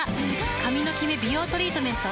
髪のキメ美容トリートメント。